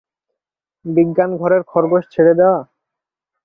বিজ্ঞান ঘরের খরগোশ ছেড়ে দেয়া?